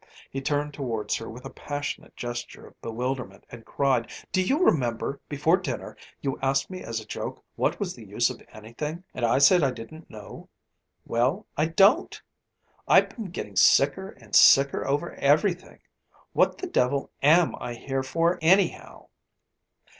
He turned towards her with a passionate gesture of bewilderment and cried: "Do you remember, before dinner, you asked me as a joke what was the use of anything, and I said I didn't know? Well, I don't! I've been getting sicker and sicker over everything. What the devil am I here for, anyhow!"